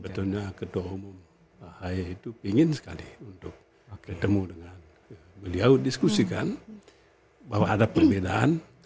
sebetulnya ketua umum ahi itu ingin sekali untuk ketemu dengan beliau diskusikan bahwa ada perbedaan